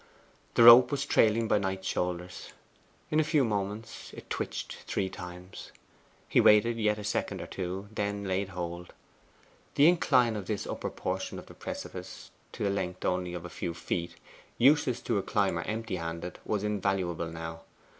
The rope was trailing by Knight's shoulders. In a few moments it twitched three times. He waited yet a second or two, then laid hold. The incline of this upper portion of the precipice, to the length only of a few feet, useless to a climber empty handed, was invaluable now.